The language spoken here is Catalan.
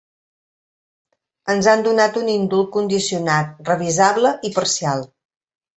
Ens han donat un indult condicionat, revisable i parcial.